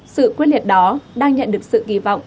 sự quyết liệt đó đang nhận được sự kỳ vọng